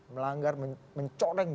melanggar mencoreng demokrasi